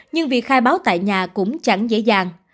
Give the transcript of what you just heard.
nhưng việc khai báo tại nhà cũng chẳng dễ dàng